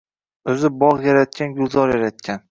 O‘zi bog‘ yaratgan gulzor yaratgan.